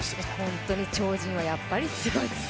本当に超人はやっぱりすごい。